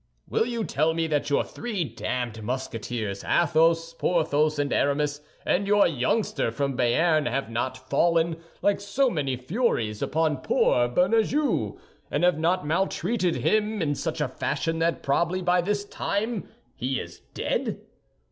"Will you tell me that your three damned Musketeers, Athos, Porthos, and Aramis, and your youngster from Béarn, have not fallen, like so many furies, upon poor Bernajoux, and have not maltreated him in such a fashion that probably by this time he is dead?